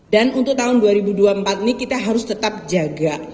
dan untuk tahun dua ribu dua puluh empat ini kita harus tetap jaga